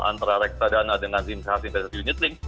antara reksadana dengan investasi unit ring